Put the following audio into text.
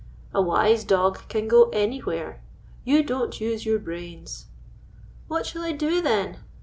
"A wise dog can go anywhere. You don't use your brains." " What shall I do, then